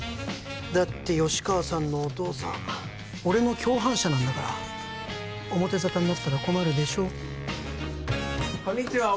だって吉川さんのお父さん俺の共犯者なんだから表沙汰になったら困るでしょこんにちは